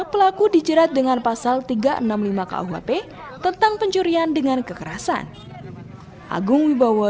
pelaku dijerat dengan pasal tiga ratus enam puluh lima kuhp tentang pencurian dengan kekerasan